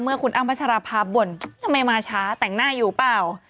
คุณอ้ำพัชราภาบ่นทำไมมาช้าแต่งหน้าอยู่เปล่า